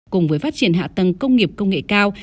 cùng với phát triển hạ tầng công nghiệp công nghệ cao